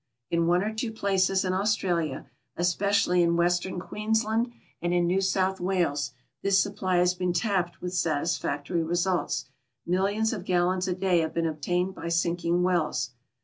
In one or two places in Australia, especially in western (Queensland and in New South Wales, tliis supply lias been tapped with satisfactory results ; millions of gallons a day have been ol)tain('d liy sinking well«.